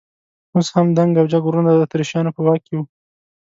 اوس هم دنګ او جګ غرونه د اتریشیانو په واک کې وو.